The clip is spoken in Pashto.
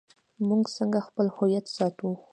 موږ څنګه خپل هویت ساتو؟